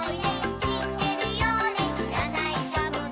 知ってるようで知らないかもね」